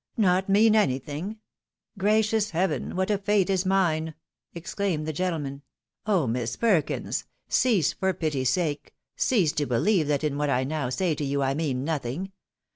" Not mean anything ! Gracious heaven ! what a fate is miue!" exclaimed the gentleman. " Oh Miss Perkins! cease, for pity's sake, cease to beUeve that in what I now say to you, T mean nothing.